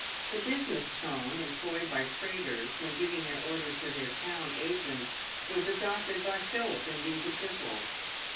The business tone employed by traders when giving their orders to their town agents was adopted by Philip in these epistles.